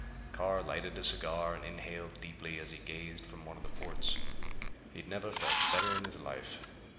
Carr lighted a cigar and inhaled deeply as he gazed from one of the ports. He'd never felt better in his life.